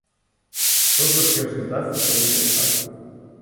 І хто з вас першы здасца, той і прайграў.